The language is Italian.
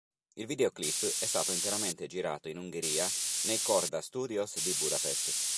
Il videoclip è stato interamente girato in Ungheria nei Korda Studios di Budapest.